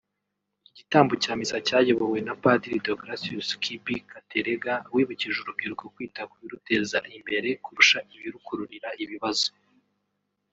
igitambo cya misa cyayobowe na Padiri Deogratius Kiibi Katerega wibukije urubyiruko “kwita ku biruteza imbere kurusha ibirukururira ibibazo